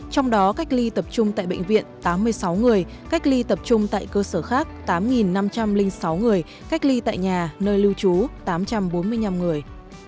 trong đó cách ly tập trung tại bệnh viện tám mươi sáu người cách ly tập trung tại cơ sở khác tám năm trăm linh sáu người cách ly tại nhà nơi lưu trú tám trăm bốn mươi năm người